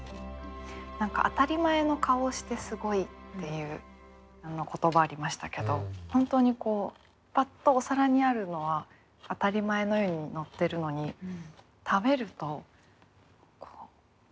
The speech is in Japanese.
何か「あたり前の顔をしてすごい」っていう言葉ありましたけど本当にパッとお皿にあるのは当たり前のようにのってるのに食べるとグッとすごみを感じる。